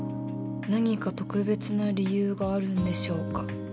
「何か特別な理由があるんでしょうか？」